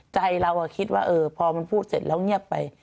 ใจเราคิดว่าพอมันพูดเสร็จแล้วเงียบไป